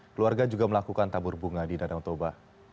keluarga juga melakukan tabur bunga di danau toba